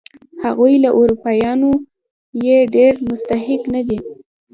هغوی له اروپایانو یې ډېر مستحق نه دي.